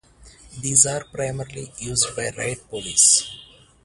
These are primarily used by riot police.